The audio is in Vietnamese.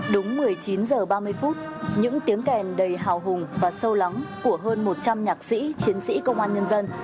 đúng một mươi chín h ba mươi phút những tiếng kèn đầy hào hùng và sâu lắng của hơn một trăm linh nhạc sĩ chiến sĩ công an nhân dân